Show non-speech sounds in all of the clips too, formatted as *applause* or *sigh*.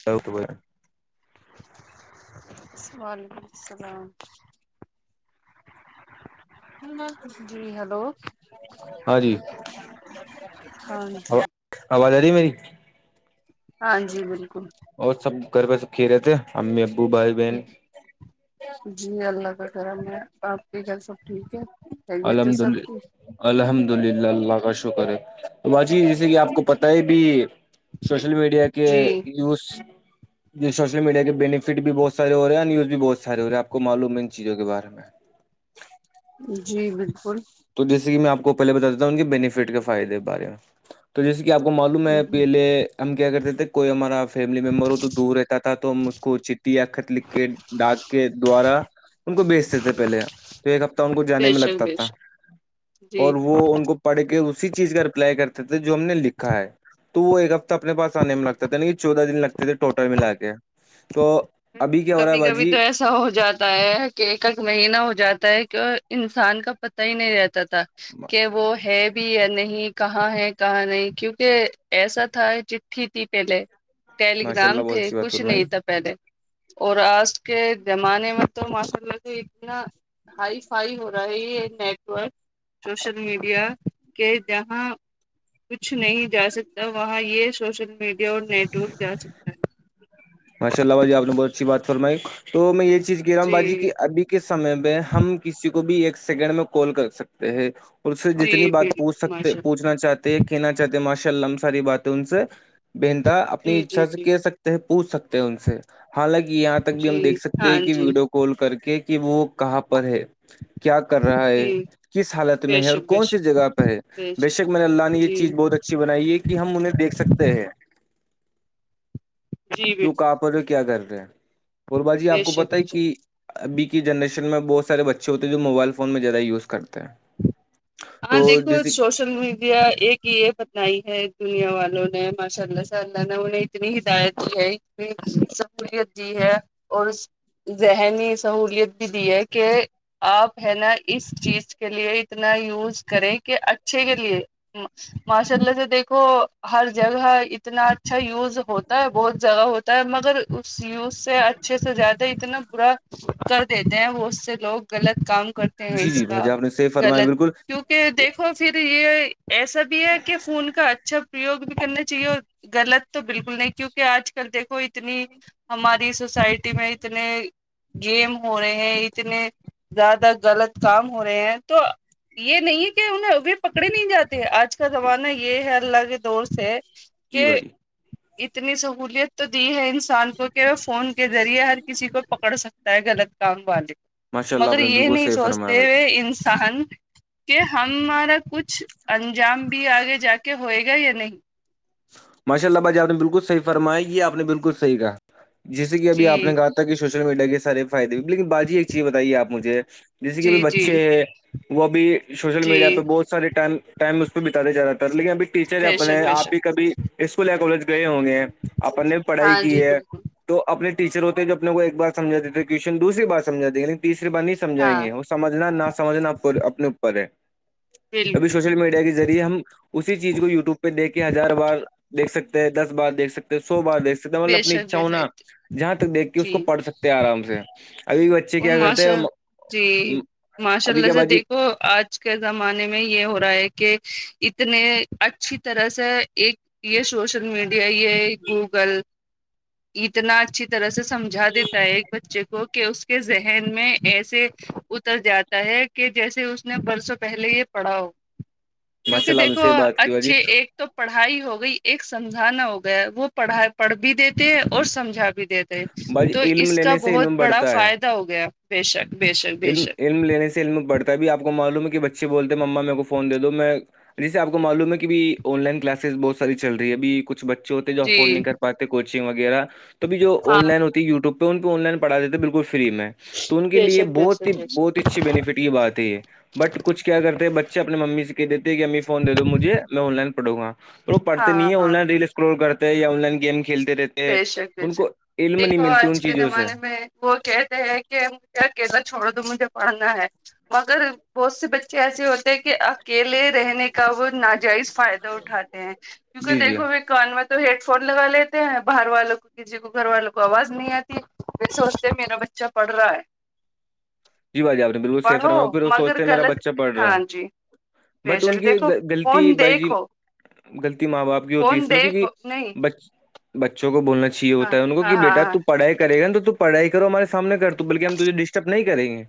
*inaudible* وعلیکم السلام جی ہلو ہاں جی ہاں جی آواز آ رہی میری ہاں جی بالکل اور سب گھر پہ سب خیریت ہے امی ابو بھائی بہن جی اللہ کا کرم ہے آپ کے گھر سب ٹھیک ہے خیریت ہے الحمد سب کی اللہ الحمد للہ اللہ کا شکر ہے تو باجی جیسے کہ آپ کو پتہ ہے ابھی سوشل میڈیا کے جی یوز یہ سوشل میڈیا کے بینیفٹ بھی بہت سارے ہو رہے اور نیوز بھی بہت سارے ہو رہے آپ کو معلوم ہے ان چیزوں کے بارے میں جی بالکل تو جیسے کہ میں آپ کو پہلے بت دیا ہوں ان کے بینیفٹ کے فائدے کے بارے میں تو جیسے کہ آپ کو معلوم ہے پہلے ہم کیا کرتے تھے کوئی ہمارا آپ فیملی ممبر ہو تو دور رہتا تھا تو ہم اس کو چٹی یا خت لکھ کے ڈاناک کے دوارا ان کو بیچتے تھے پہلے تو ایک ہفتہ ان کو جانے بے میں شک لگتا بے تھا شک جی اور وہ ان کو پڑھ کے اسی چیز کا رپلائی کرتے تھے جو ہم نے لکھا ہے تو وہ ایک ہفتہ اپنے پاس آنے میں لگتا تھا کہ چودہ دن لگتے تھے ٹوٹل ملا کے تو ابھی کیا ہو رہا ہے کبھی کبھی تو باجی ایسا ہو جاتا ہے کہ ایک ایک مہینہ ہو جاتا ہے کہ انسان کا پتہ ہی نہیں رہتا کہ وہ ہے بھی یا نہیں کہاں ہے کہاں نہیں کیونکہ ایسا تھا چٹھی تھی پہلے ماشاء اللہ ٹیلیگررام بہت تھے اچھی بات کچھ فرمائی نہیں تھا پہلے اور آج کے زمانے میں تو ماشاء اللہ تو اتنا ہائی فائی ہو رہا ہے یہ نیٹورک سوشل میڈیا کہ جہاں کچھ نہیں جا سکتا وہاں یہ سوشل میڈیا اور نیٹ ورک جا سکتا ہے ماشا اللہ باجی آپ نے بہت اچھی بات فرمائی تو میں یہ چیز کہہ رہا ہوں باجی جی اب کے سمے میں ہم کسی کو بھی ایک سیکنڈ میں کال کر سکتے ہیں اس سے جتنی جی بات پوچھ بالکل سکتے ماشاء اللہ پوچھنا چاہتے ہیں کہنا چاہتے ہیں ماشاء اللہ ہم ساری باتیں ان سے بہنتا اپنی جی اچھا جی سے جی کہہ سکتے ہیں پوچھ سکتے ہیں ان سے حالانکہ یہاں تک بھی ہم جی دیکھ سکتے ہاں ہیں کہ جی ویڈیو کال کر کے کہ وہ کہاں پر ہے کیا کر رہا ہے جی س حالت میں بے ہے اور شک بے کون سی شک جگہ پر ہے بے شک م اللہ یہ جی چیز بہت اچھی اچھی بنائیے کہ ہم انہیں دیک سکتے ہیں جی *inaudible* آپ کیا کر رہے ہیں اورور با جی بے آپ کو شک پت ہے بے شک کہ ابھی کی جنریشن میں بہت سارے بچے ہوتے ہیں جو موبائل فون میں زیادہ یوز کرتے ہیں تو ہاں دیکو جیسے میڈیا ایک یہ بتنائی ہے دنیا والوں نے ماشاء اللہ سے اللہ نے انہیں *inaudible* اتنی ہدایت دی ہے انی سہولیت دی ہے اور *inaudible* ذہنی سہولیت بھی دی ہے کہ آپ ہے نا اس چیز کے لیے اتنا یوز کریں کہ اچھے کے لیے ن *inaudible* ماشاء اللہ سے دیکھو ہر جگہ اتنا اچھا یوز ہوتا ہے بہت جگہ ہو مگر اس یوز سے اچھے سے زیادہ اتنا برا کر دیتے ہیں وہ اس سے لوگ غلط کام کرتے ہیں جی جی اس بھائی کا جی آپ نے صحیح فرمایا غلط بالکل کہ دیکھو پھر یہ ایسا بھی ہے کہ فون کا اچھا پرریوگ بھی کرنا چاہیے اور غلط تو بالکل نہیں کیونکہ آج کل دیکھو اتنی ہماری سوسائٹی میں اتنے گیم ہو رہے ہیں اتنے زیادہ غلط کام ہو رہے ہیں تو یہ نہیں کہ انہیں بھی پکڑے نہیں جاتے آج کا زمانہ یہ ہے اللہ کے دور سے جی کہ بھائی جی اتنی سہولیت تو دی ہے انسان کو کے فون کے ذریعے ہر کسی کو پکڑ سکتا ہے غلط کام والے ماشاء اللہ آپ مگر نے یہ بالکل نہیں صحیح فرمایا سوچتے بھائی ہوئے انسان کہ ہمارا کچھ انجام بھی آگے جا کے ہوئے گا یا نہیں ماشاء اللہ بھ جی آپ نے بالکل صحی فرمایا یہ آپ نے بالکل صحیح کہا جسے کہ ابھی جی آپ نے کہا تھا کہ سوشل میڈیا کے سارے فائدےئے لیکن باجی ایک چیز بتائیےپ مجھے جیسے کہ اب جی جی بچے ہیں وہ ا بھی سوشل جی میڈیا پہ بہت سارے ٹائم اس پہ بتاے جا رہا تھا لیکن ابھی ٹیچر بے اپنے شک بے آپ شک بھی کبھی اسکول یا کالج گئے ہوں گے ہیں اپن نے بھی پڑھائی ہاں کی جی ہے بالکل تو اپنے ٹیچر ہوتے ہیں جو اپنے کو ایک بارمجھاتے تھے وشن دوسری بار سمجات دی لیکن تیسری بار نہیں سمھائیں ہاں گے ہو سمجھنا نہ سمجھنا اپنے اوپر ہے جی *inaudible* ابھی سوشل میڈیا کے ریعے ہم اسی چیز کو و ٹیوب پ دے کے ہر ہار بار دیکھ سکتے ہیں دس بار دیکھ سکتے سو بار دیکھ سکتے ہیں بے مطلب اپنی شک اچھا بے ہونا شک جہاں تک دیکھ کے اس جی کو پڑھ سکتے ہیں آرام سے ابھی بچے کیا کرتے ماشاء ہیں جی ماشاء ابھی اللہ کیا سے باجی دیکھو آج آج کے زمانے میں یہ ہو رہا ہے کہ اتنے اچھی طرح سے ایک یہ سوشل میڈیا یہ گوگل اتنا اچھی طرح سے سمجھا دیتا ہے ایک بچے کو کہ اس کے ذہن میں ایسے اتر جاتا ہے کہ جیسے اس نے برسوں پہلے یہ پڑھاؤ کیونکہ ماشاء اللہ آپ دیکھو سے بات کی باجی اچھے ایک تو پڑھائی ہو گئی ایک سمجھانا ہو گیا وہ پڑھائی پڑھ بھی دیتے ہیں اور سمجھا بھی دیتےے باجی تو علم اس کا لینے سے بہت علم بڑا بڑھتا ہے فائدہ ہو گیا بے شک بے شک بے علم شک علم لینے سے علم پڑتا ہے بھی آپ کو معلوم ہے کہ بچے بولتے ہیں ما میرے کو فون دے دو میں جیسے آپ کو معلوم ہے کہ بھی آن لائن کلاسز بہت ساری چل رہی ابھی کچ بچے ہوتے جو جی افورڈ نہیں کر پاتے کوچنگ وغیرہ توھی جو ہاں آن لائن ہوتا و ٹیوب پہ ان کوہ آن لائن پڑا دیتےے بالکل فری میں تو ان کے بے لیے بہت شک بے ہی شک بے شک بہت اچھی بیننیفٹ کی بات ہے بٹ کچھ کیا کرتے ہیں بچے اپنی ممی سے کے دیتے ہیں امی فون د دو مجھے میں آن لائن پڑوں گا وہ پڑتے نہیں ہاں ہے آن ہاں لائن ریس اسکرول کرتے یا آن لائن گیم کھیلتے رہتے ہیں بے شک بے ان شک کو علم نہیں دیکھو ملتی ان آج کے چیزوں سے زمانے میں وہ کہتے ہیں کہ مجھے اکیلا چھوڑ دو مجھے پڑھنا ہے مگر بہت سے بچے ایسے ہوتے ہیں کہ اکیلے رہنے کا وہ ناجائز فائدہ ہو اٹھاتے ہیں کیونکہ جی جی دھو ب کان میں تو ہیڈ فون لگا لیے ہیں باہر والوں کو کسی کو گھر والوں کو آواز نہیں آتی پ سوچتے میرا بچہ پڑھ رہا ہے *unintelligible* جی بھائی جی آپ نے بالکل پڑھو سیفرما پھر وہ مگر سوچتے ہیں میرا غلط بچہ پڑھ رہا ہاں ہے جی بے بٹ ان شک کی دیکھو غلطی فون بائی جی دیکھو غلطی ماں باپ کی ہوتی فون اس میں کیونکہ دیکھو نہیں بچ بچوں کو بولنا ہاں چاہیےتا ہے ان کو ہاں کہ ہاں بیٹا ہاں تو پڑھائی کر گا تو پڑھائی کرو ہمارے سامنے کر تو بلکہ ہم تجھے ڈسٹرب نہیں کریں گے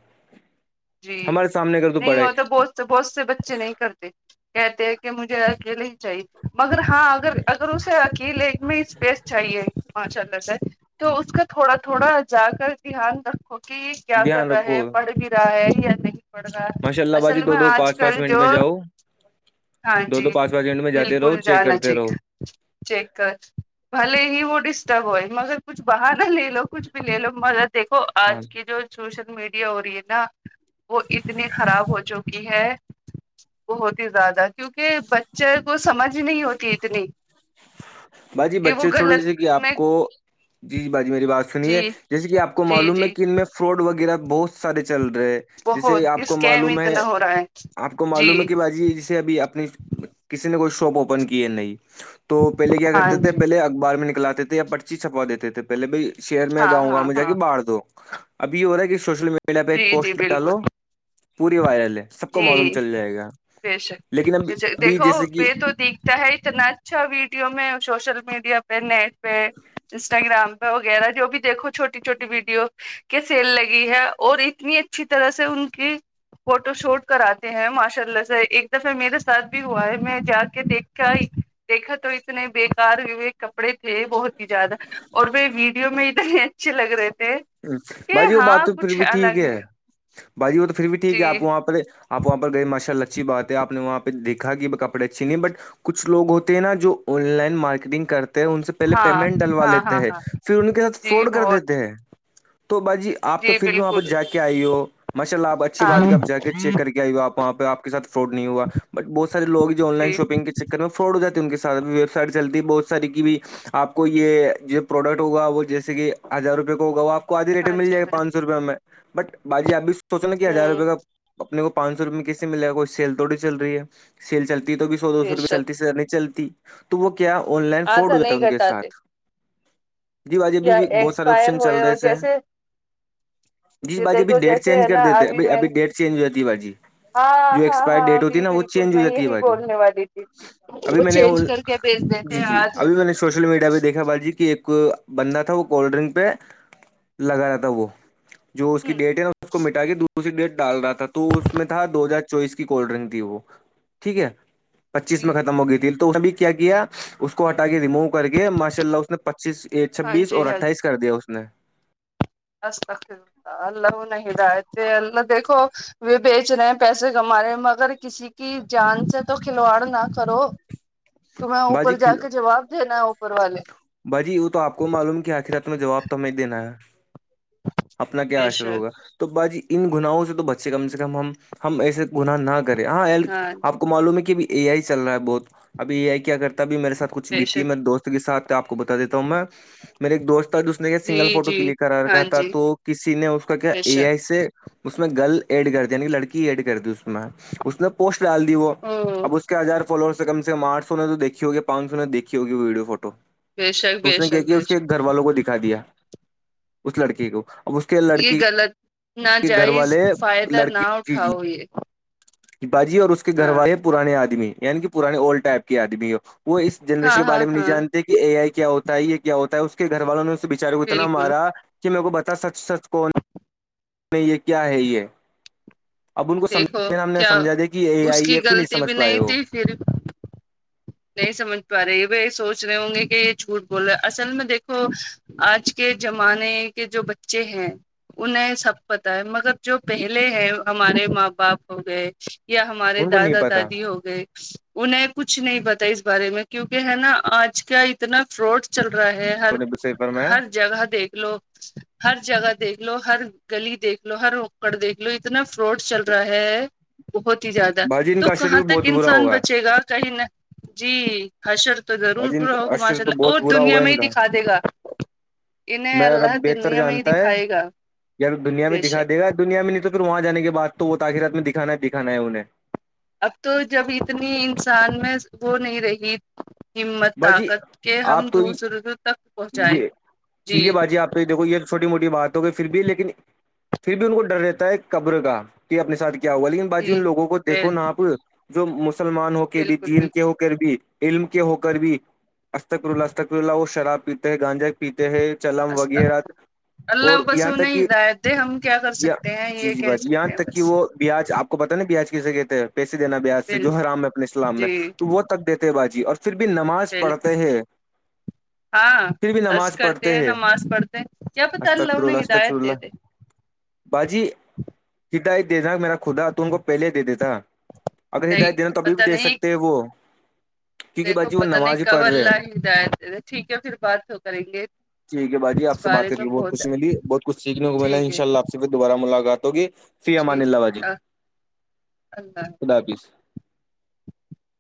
جی ہمارے سامنے کر نہیں پڑھائی وہ تو بہت تو بہت سے بچے نہیں کرتے کہتے کہ مجھے اکیلے ہی چاہیے مگر ہاں اگر اگر اسے اکیلے میں اسپیس چاہیے ماشا اللہ سے تو اس کا تھوڑا تھوڑا جا کر دھیان رکھ ک کیا کر دھیان رہا ہے رکھو پڑھ بھی رہا ہے یا نہیں پڑ رہا ماشاء اللہ باجی اصل دو میں دو آج پانچ پانچ کل منٹ جو میں جاؤ ہاں دو جی دو پانچ پانچ منٹ میں جاتے رہو بالکل چیک جانا کرتے رہو چاہیے چیک کر بھل ہی وہ ڈسٹرب ہوئے مگر کچھ باہر نہ لے لو کچھ بھی لے لو مرد دیکھو ہاں آج کی جو سوشل میڈیا ہو رہی ہے ن وہ اتنی خراب ہو چکی ہے بہت ہی زیادہ کیونکہ بچے کو سمجھ نہیں ہوتی اتنی باجی کہ وہ بچے چھڑے غلط جیسے کہ آ میں کو جی جی باجی میری بات س نیے جی جیسے کہ آپ کو جی معلوم ہے جی کہ ان میں فراڈ وغیرہ بہت سارے چل رہے ہیں بہت جیسے آپ کو اسکیم معلوم ہے اتنا ہو رہا ہے آپ کو جی معلوم ہے کہ باجی جیسے ابھی اپنی کسی نے کوئی شاپ اوپن کی ہے نہیں تو پہلے کیا ہاں کرتے تھے جی پہلے اخبار میں نکلاتے تھے یا پرچی چھپا دیتے تھے پہل بھائی شہر میں ہاں گاؤ گاؤں ہاں میں جا کے ہاں باہر دو اب یہ ہو رہا ہے کہ سوشل میڈیا پیلا پہ ایک جی جی پوسٹر ڈالو بالکل پوری وائرل ہے سب کو جی معلوم چل جائے گا بے شک لیکن اب ابھی دیکھو جیسے کہ یہ تو د ہے اتنا اچھا ویڈیو میں سوشل میڈیا پہ نیٹ پہ انسٹاگرام وغیرہ جو بھی دیکو چھوٹی چھوٹی ویڈیو کے سیل لگی ہے اور اتنی اچھی طرح سے ان کی فوٹو شوٹ کراتے ہیں ماشاء اللہ سے ایک دفعہ میرے ساتھ بھی ہوا ہے میں جا کے دیکھ کے دیکھا تو اتنے بےیکار ہوئے کپڑے تھے بہت ہی زیادہ اور وہ ویڈیو میں اتنے چ لگ رہے تھ باجی وہ بات تو پھر بھی ٹھیک ہے باجی وہ تو پھر بھی ٹھیک ہے جی آپ وہاں پہ آپ وہاں پر گئے ماشاء اللہ اچھی بات ہے آپ نے وہاں پہ دیکھا کہ وہ کپڑے اچھے نہیں بٹ کچھ لوگ ہوتے ہیں نا جو آن لائن مارکیٹنگ کرتے ان سے پہلے ہاں پیمنٹ ڈلوا ہاں ہاں لیتے ہیں ہاں پھر ان کے ساتھ جی فراڈ کر بہت دیتے ہیں تو باجی آپ تو جی پھر بھی وہاں پہ بالکل جا کے آئی ہو ماشاء اللہ آپ اچھی بات ہاں کہ آپ جا کے چیک کر کے آئی آپ وہاںہ آپ سات فراڈ نہیں ہوا بہت سار لوگ جو آن لائن جی شاپنگ کے فراڈ ہو جاتی ان کے ساتھ ویب سائٹ چلتی ہے بہت ساری کی بھی آپ کو یہ پروڈکٹ ہوگ وہ جیسے کہ ہزار روپئے کو ہوگا وہ آپ آدھی ریٹ میں ہاں مل جی جائے گ ہاں پانچ جی سو روپئے میں بٹ باجی اب بھی سوچو نا کہ ہزار ہوں روپئے کا اپنے کو پانچ سو روپئے میں کس سے ملے ہے کوئی سیل توڑی چل رہی ہے سل چلتی سو دو سو بے روپئے شک چلتی س نہیں چلتی تو وہ کیا آن لائن فاڈ آدھا ہو جتا تھا نہیں ان کے ساتھ جی باجی ابھی کیا بھی بہت سارے ایکسپائر آپشن چل ہوئے رہے اور تھے جیسے جی باجی دیکھو ڈیٹ چینج جیسے ہے کر نا دیتے ابھی میں ابھی ڈیٹ چینج ہو جاتی ہے باجی ہاں جو ہاں ایکسپائر ہاں ڈیٹ ہوتی جی ہے نا وہ بالکل چینج ہو میں جاتی ہے یہی باجی بولنے والی تھی ابھی وہ میں نے چینج اول- کر بھیج دے تھے جی جی آج ابھی میں نے سوشل میڈیا پہ دیکھا باجی کی ایک بندہ تھا وہ کولڈ ڈرنک پہ لگا رہا تھا وہ جو اس کی ہوں ڈیٹ ہے نا اس کو مٹا کے دوس اسی ڈیٹ ڈال رہا تھا تو اس میں تھا دو ہزار چوبیس کی کولڈ ڈرنک تھی وہ ٹھیک ہے پچیس جی میں ختم ہو گئی تھی تو اس نےت بھی کیا اس کو ہٹا کے ریموو کر کے ماشاء اللہ اس نے پچیس ہاں چھبیس اور جی ہاں جی اٹھائیس کر دی اس نے اللہ انھیی ہدیت دے اللہ دیکھو و بیچ رہے ہیں پیسے کما رہے مگر کسی کی جان سے تو کھلواڑ نہ کرو تمہیں باجی اوپر جا کھل کے جواب دینا ہے اوپر والے باجی وہ تو آپ کو معلوم کہ آخرات می تم جواب تمیں دینا ہے اپنا کیا بے حشر ہوگا شک تو باجی ان گناہوں سے تو بچے کم سے کم ہم ایسے گنااہ نہ کریں ہاں ایل آپ کو معلوم ہے کہ اے آئی چل رہا ہے بہت ابھیت اے آئی کیا کرتا اھی میرے ساتھچھ بے بھیتی شک ہےیرے دوست کے سھ آپ کو بتا دیتا ہوں میں میرے ایک دوست اس نے کیا جی سنگل فوٹو جی کلک کرا ہاں رکھا تھا جی تو کسی نے اس کا کیا بے اے آئی شک سے اس میں گرل ایڈ کر دی یعنی لڑکی ایڈ کرتی اس میں اس نے پوسٹ ڈال دی وہ او اب اس کے آزار فالورس سے کم کم آٹ سو نے تو دھی گی پانچ سو نے دیکھی ہوگی ویڈیو فوٹو بے شک تو بے اس نے کیا شک کہ بے اس کے شک گھر والوں کو دکھا دیا اس لڑکی کو اب اس کے یہ لڑکی غلط کے گھر ناجائز والے فائدہ نہ لڑکی جی اٹھاؤ جی یہ باجی اور اس کے گھر ہاں والے پرانے آدمی یعنی کہ پرانے اولڈ ٹائپ کے آدمی ہے وہ اس ہاں جنریشن کے ہاں بارے میں نہیں ہاں جانتے کہ اے آئی کیا ہوتا ہے یہ کیا ہوتا ہے اس کے گھر والوں نے اس تب تب بچارے کو اتنا بالکل مارا کہ میرے کو بتا سچ سچ کون نہیں یہ کیا ہے یہ اب ان کو دیکھو سمج ہم نے کیا سمجھا دیا کہ اے اس آئی کی ایف نہیں غلطی بھی سمجھ پائے وہ *unintelligible* نہیں سمجھ پا رہی سوچ رہے ہوں گے کہ یہ جھوٹ بولے اصل میں دیکھو آج کے زمانے کے جو بچے ہیں انہیں سب پتا ہے مگر جو پہلے ہیں ہمارے ماں باپ ہو گئے یا ہمارے ان کو نہیں دادا پتا دادی ہو گئے انہیں کچھ نہیں بتا اس بارے میں کیونکہ ہے نا آج کیا اتنا فراڈ چل رہا ہے صحیح فرمایا ہر جگہ دیکھ لو ہر جگہ دیکھ لو ہر گلی دیکھ لو ہر اوکڑ دیکھ لو اتنا فراڈ چل رہا ہے بہت ہی زیادہ بھاجی ان تو کا اشر کہاں بھی تک بہت برا انسان ہوگا بچے گا کہیں نہ جی حشر تو ضرور بھاجی ان برا کا ہوگا اشر ماشاء تو اللہ اور بہت برا دنیا ہوگا میں ہی دکھا دے گا انہیں میں اب اللہ بہتر دنیا میں ہی جانتا ہے دکھائے گا یار دنیا میں بے دکھا شک دے گا دنیا میں نہیں تو پھر وہاں جانے کے بعد تو وہ تخیرات میں دکھانا دکھانا ہے انہیں اب تو جب اتنی انسان میں وہ نہیں رہی ہمت باجی طاقت کے ہم آپ تو دوسرز تک پہنچاے یہ جی ٹھیک ہے باجی آپ تو دیکو یہ چوٹی موٹی باتوں پر پھر بھی لیکن پھر بھی ان کو ڈر رہتا ہے قبر کا کہ اپنے ساتھ کیا ہوا لیکن باجی ان جی لوگوں کو دیکھو بل نا آپ جو مسلمان ہو کے بھی بالکل دین بالکل کے ہو کر بھی علم کے ہو کے کر بھی اسستتکرولا اتک رولا اور شراب پیتے ہیں گانجے کے پیتے ہیں چلم وغیرہ استغفر اور اللہ بس یہاں تک انہیں کہ ہدایت دے ہم کیا کر سکتے ہیں جی یہ جی کہہ باجی یہاں سکتے ہیں تک کہ بس وہ بیاج آپ کو پتاہ نا بیاج کیسے کہتے ہیں پیسے دینا بیاج سے بال جو حرام ہے اپنے اسلام میں جی تو وہ تک دیتے باازی اور پھر بھی نماز پڑھتے بالکل ہیں ہاں پھر بھی حج نماز پڑھتے کرتے ہیں نماز پڑھتے ہیں یا پتہ اجتک فر اللہ انہیں اجتک پر ہدایت دے اللہ دے باجی ہدایت دین میرا خدا ت ان کو پہلے دے دیتا اگر ہدایت نہیں دینا تو تبھی پتہ بھی دے نہیں سکتے ہیں وہ کیونکہ دیکھو باجی وہ پت نہیں نماز ہی کب پڑھ رہے ہیں اللہ ہدایت ٹھیک ہے پھر بات تو کریں گے ٹھیک ہے باجی اس آپ بات بارے کر میں کے بہ بہت خوشی ملی بہت کچھ سیکھنے کو ملا ٹھیک ہے انشا اللہ ص پھر دوبارہ ملاقات ہوگی فی امان ٹھیک اللہ باجی اللہ خدا حافظ